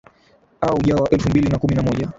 a ujao wa elfu mbili na kumi na moja